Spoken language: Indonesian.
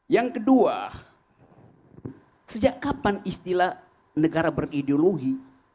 yang kedua sejak kapan istilah negara berideologi